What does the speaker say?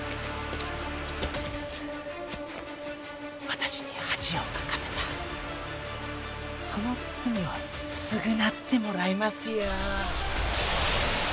私に恥をかかせたその罪を償ってもらいますよ。